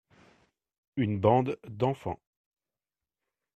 Une bande d’enfants.